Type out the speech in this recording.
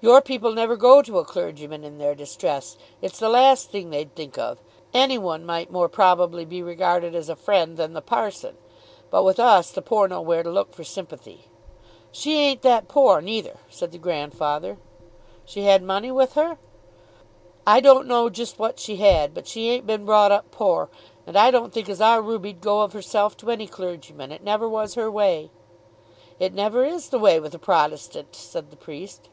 "Your people never go to a clergyman in their distress. It's the last thing they'd think of. Any one might more probably be regarded as a friend than the parson. But with us the poor know where to look for sympathy." "She ain't that poor, neither," said the grandfather. "She had money with her?" "I don't know just what she had; but she ain't been brought up poor. And I don't think as our Ruby'd go of herself to any clergyman. It never was her way." "It never is the way with a Protestant," said the priest.